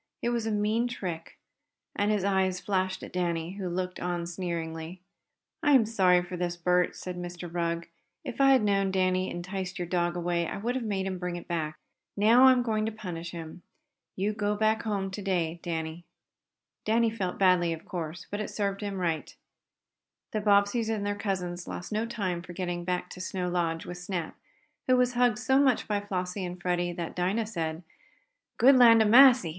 It was a mean trick!" and his eyes flashed at Danny, who looked on sneeringly. "I am sorry for this, Bert," said Mr. Rugg. "If I had known Danny enticed away your dog I would have made him bring it back. Now I am going to punish him. You go back home to day, Danny. You can't stay in the lumber camp any longer." Danny felt badly, of course, but it served him right. The Bobbseys and their cousins lost no time for getting back to Snow Lodge with Snap, who was hugged so much by Flossie and Freddie that Dinah said: "Good land a' massy!